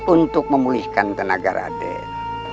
untuk memulihkan tenaga raden